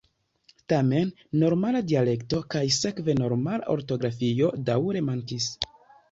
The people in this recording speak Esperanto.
Tamen, norma dialekto kaj sekve norma ortografio daŭre mankis.